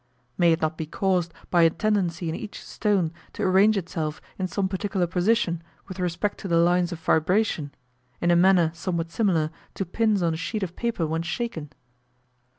May it not be caused by a tendency in each stone to arrange itself in some particular position, with respect to the lines of vibration, in a manner somewhat similar to pins on a sheet of paper when shaken?